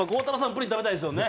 プリン食べたいですよね